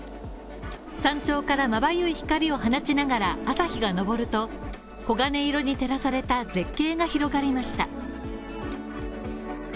山頂からまばゆい光を放ちながら朝日が昇ると、黄金色に照らされた絶景が広がりました。